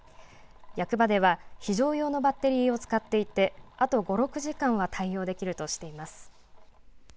役場では非常用のバッテリーを使っていてあと５６時間は対応できるとしています。